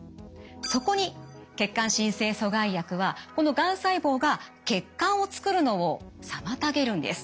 そこに血管新生阻害薬はこのがん細胞が血管を作るのを妨げるんです。